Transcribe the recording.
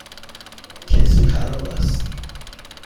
کتری خراب است.